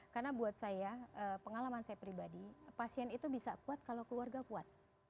karena buat saya pengalaman saya pribadi pasien itu bisa kuat kalau keluarga kuat